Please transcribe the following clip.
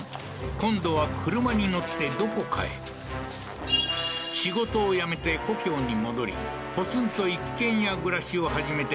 今度は車に乗ってどこかへ仕事を辞めて故郷に戻りポツンと一軒家暮らしを始めて